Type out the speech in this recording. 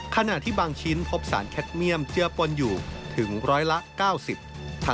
ขณะที่บางชิ้นพบสารแคทเมียมเจือปนอยู่ถึงร้อยละ๙๐